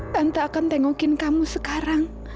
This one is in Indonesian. tante akan tengokin kamu sekarang